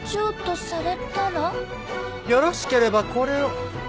よろしければこれを。